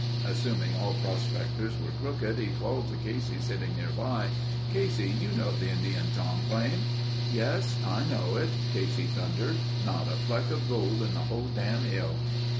Assuming all prospectors were crooked he called to Casey sitting nearby: "Casey, you know the Indian Tom claim?" "Yes, I know it," Casey thundered. "Not a fleck of gold in the whole dam' hill."